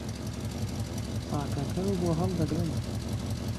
ساکهکهو بۆ ههڵدهگرم